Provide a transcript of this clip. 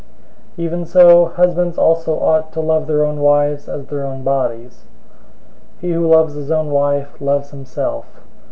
005:028 Even so husbands also ought to love their own wives as their own bodies. He who loves his own wife loves himself.